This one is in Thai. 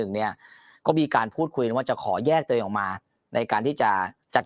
เนี่ยก็มีการพูดคุยว่าจะขอแยกตัวเองออกมาในการที่จะจัด